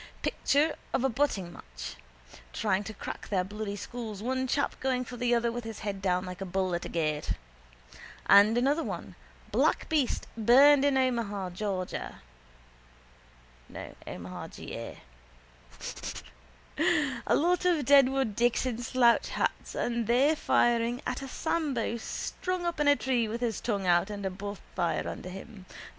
Picture of a butting match, trying to crack their bloody skulls, one chap going for the other with his head down like a bull at a gate. And another one: Black Beast Burned in Omaha, Ga. A lot of Deadwood Dicks in slouch hats and they firing at a Sambo strung up in a tree with his tongue out and a bonfire under him.